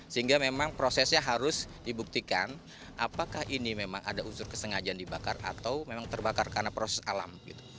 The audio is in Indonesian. sehingga memang prosesnya harus dibuktikan apakah ini memang ada unsur kesengajaan dibakar atau memang terbakar karena proses alam